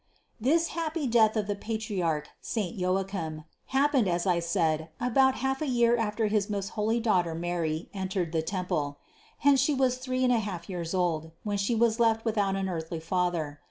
671. This happy death of the patriarch saint Joachim happened as I said about a half year after his most holy Daughter Mary had entered the temple. Hence She was three and a half years old, when She was left without an earthly father.